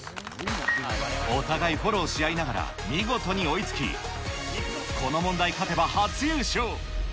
お互いフォローし合いながら、見事に追いつき、この問題勝てば初優勝。